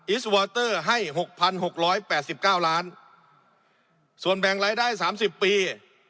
อีสต์วอเตอร์ให้หกพันหกร้อยแปดสิบเก้าร้านส่วนแบ่งรายได้สามสิบปี